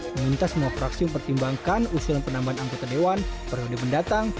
meminta semua fraksi mempertimbangkan usulan penambahan anggota dewan periode mendatang